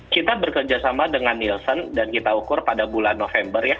kita bekerjasama dengan nielsen dan kita ukur pada bulan november ya